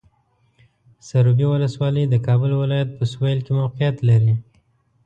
سروبي ولسوالۍ د کابل ولایت په سویل کې موقعیت لري.